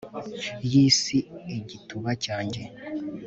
y'isi igituba cyanjye